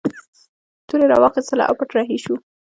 توره یې راواخیستله او پټ رهي شو.